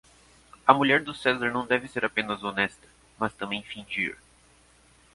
A mulher do César não deve ser apenas honesta, mas também fingir.